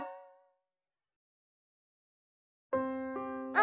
「あ！」